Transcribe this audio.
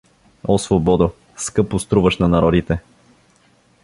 — О, свободо, скъпо струваш на народите!